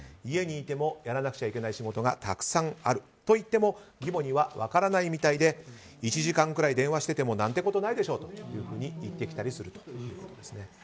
家にいてもやらなくちゃいけない仕事がたくさんあると言っても義母には分からないみたいで１時間くらい電話してても何てことないでしょと言ってきたりすると。